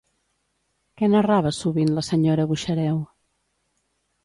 Què narrava sovint la senyora Buxareu?